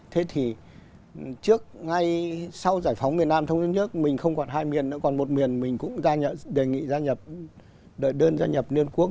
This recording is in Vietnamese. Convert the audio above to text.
thế thì trước ngay sau giải phóng việt nam thông chính nhất mình không còn hai miền nữa còn một miền mình cũng đề nghị gia nhập đợi đơn gia nhập liên hiệp quốc